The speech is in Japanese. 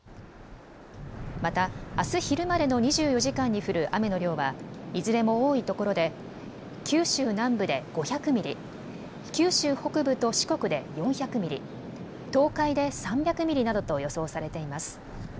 また、あす昼までの２４時間に降る雨の量は、いずれも多い所で、九州南部で５００ミリ、九州北部と四国で４００ミリ、東海で３００ミリなどと予想されています。